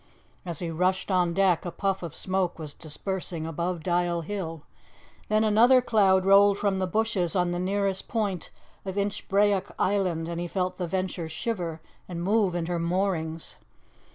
As he rushed on deck a puff of smoke was dispersing above Dial Hill. Then another cloud rolled from the bushes on the nearest point of Inchbrayock Island, and he felt the Venture shiver and move in her moorings.